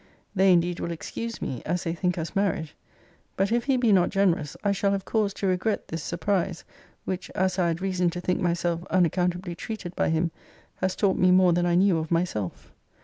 They indeed will excuse me, as they think us married. But if he be not generous, I shall have cause to regret this surprise; which (as I had reason to think myself unaccountably treated by him) has taught me more than I knew of myself.